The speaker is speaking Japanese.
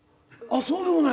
そうでもない？